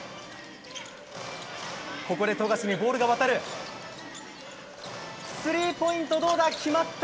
ここで富樫にボールが渡るスリーポイント決まった。